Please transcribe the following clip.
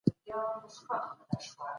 پانګوال باید خپلې پیسې په کور دننه ولګوي.